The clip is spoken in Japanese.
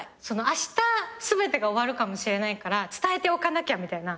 あした全てが終わるかもしれないから伝えておかなきゃみたいな。